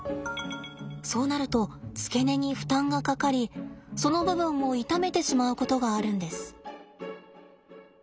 そうなると付け根に負担がかかりその部分を痛めてしまうことがあるんです。